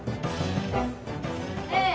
ねえ？